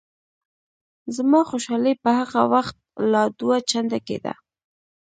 زما خوشحالي به هغه وخت لا دوه چنده کېده.